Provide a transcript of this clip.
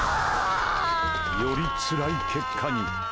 よりつらい結果に。